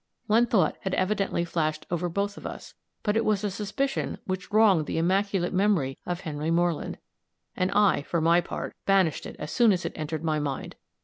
One thought had evidently flashed over both of us; but it was a suspicion which wronged the immaculate memory of Henry Moreland, and I, for my part, banished it as soon as it entered my mind.